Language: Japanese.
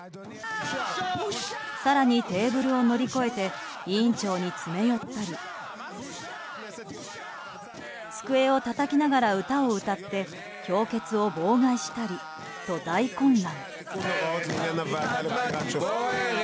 更に、テーブルを乗り越えて委員長に詰め寄ったり机をたたきながら歌を歌って評決を妨害したりと大混乱。